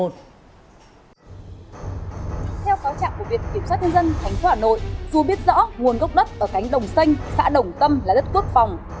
theo cáo trạng của viện kiểm soát nhân dân tp hà nội dù biết rõ nguồn gốc đất ở cánh đồng xanh xã đồng tâm là đất quốc phòng